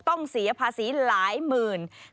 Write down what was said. ต้องเสียภาษีหลายหมื่นบาท